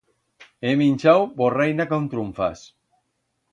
He minchau borraina con trunfas.